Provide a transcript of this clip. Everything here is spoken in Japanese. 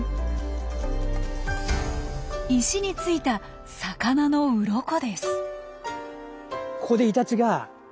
石についた魚のウロコです。